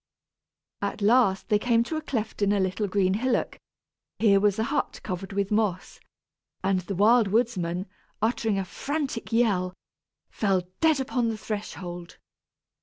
At last they came to a cleft in a little green hillock. Here was a hut covered with moss, and the Wild Woodsman, uttering a frantic yell, fell dead upon the threshold.